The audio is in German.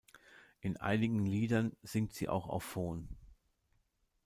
In einigen Liedern singt sie auch auf Fon.